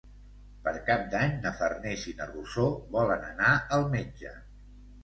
Per Cap d'Any na Farners i na Rosó volen anar al metge.